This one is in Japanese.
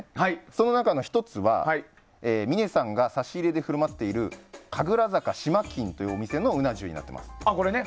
その中の１つは、峰さんが差し入れで振る舞っているかぐら坂志満金というところのうな重になっています。